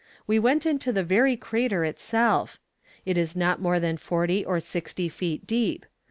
We went into the very crater itself. It is not more than forty or sixty feet deep.